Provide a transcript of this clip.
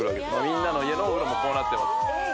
みんなの家のお風呂もこうなってます